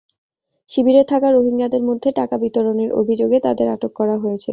শিবিরে থাকা রোহিঙ্গাদের মধ্যে টাকা বিতরণের অভিযোগে তাঁদের আটক করা হয়েছে।